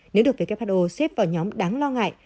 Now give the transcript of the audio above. nếu được who xếp vào nhóm đáng lo ngại